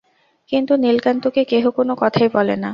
কিন্তু নীলকান্তকে কেহ কোনো কথাই বলে না।